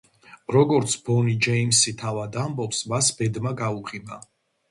როგორც ბონი ჯეიმსი თავად ამბობს, მას ბედმა გაუღიმა.